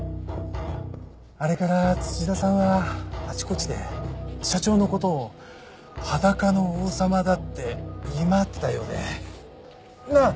あれから土田さんはあちこちで社長の事を裸の王様だって言い回ってたようで。なあ？